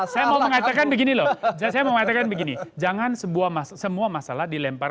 saya mau mengatakan begini loh saya mau mengatakan begini jangan semua masalah dilempar